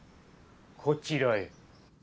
こちらへ。